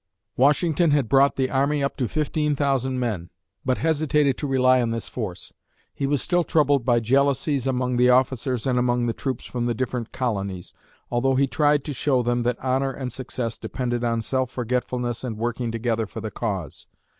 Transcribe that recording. Washington had brought the army up to fifteen thousand men, but hesitated to rely on this force. He was still troubled by jealousies among the officers and among the troops from the different colonies, although he tried to show them that honor and success depended on self forgetfulness and working together for the cause.